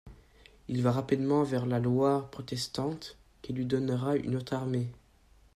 Il va rapidement vers la Loire protestante, qui lui donnera une autre armée.